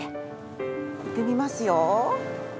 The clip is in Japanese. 行ってみますよ。